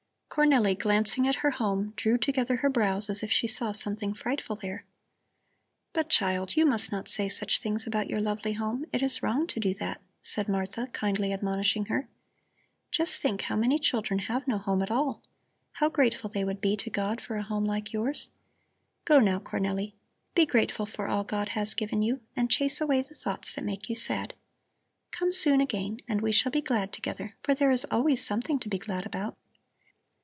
Cornelli, glancing at her home, drew together her brows as if she saw something frightful there. "But, child, you must not say such things about your lovely home; it is wrong to do that," said Martha, kindly admonishing her. "Just think how many children have no home at all. How grateful they would be to God for a home like yours. Go, now, Cornelli, be grateful for all God has given you and chase away the thoughts that make you sad. Come soon again and we shall be glad together, for there is always something to be glad about."